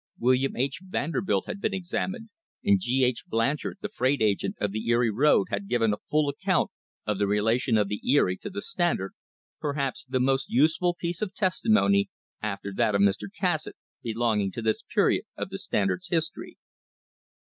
William H. Vanderbilt had been examined, and G. H. Blanchard, the freight agent of the Erie road, had ; given a full account of the relation of the Erie to the Stand ard, perhaps the most useful piece of testimony, after that of Mr. Cassatt, belonging to this period of the Standard's his tory.